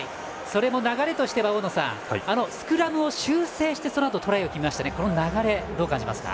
それも流れとしてはスクラムを修正してそのあとトライを決めましたがこの流れ、どう感じますか？